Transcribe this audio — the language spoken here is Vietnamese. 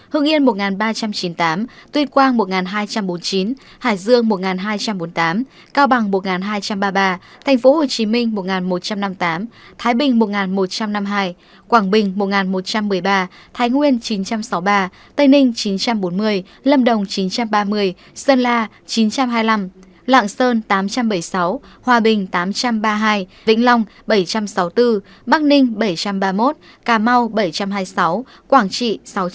hương yên một ba trăm chín mươi tám tuyết quang một hai trăm bốn mươi chín hải dương một hai trăm bốn mươi tám cao bằng một hai trăm ba mươi ba tp hcm một một trăm năm mươi tám thái bình một một trăm năm mươi hai quảng bình một một trăm một mươi ba thái nguyên chín sáu mươi ba tây ninh chín bốn mươi lâm đồng chín ba mươi sơn la chín hai mươi năm lạng sơn tám bảy mươi sáu hòa bình tám ba mươi hai vĩnh long bảy sáu mươi bốn bắc ninh bảy ba mươi một cà mau bảy hai mươi sáu quảng trị sáu sáu mươi năm